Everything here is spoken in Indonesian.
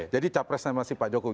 capresnya masih pak jokowi